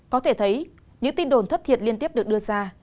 có thể thấy những tin đồn thất thiệt liên tiếp được đưa ra